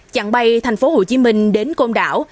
chặng bay thành phố hồ chí minh đến côn đảo